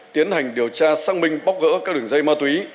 tiến hành điều tra xăng minh bóc gỡ các đường dây ma túy